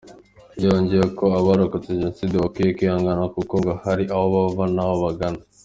’ Yongeyeho ko abarokotse Jenoside bakwiye kwihangana kuko ngo hari aho bava n’aho bagana.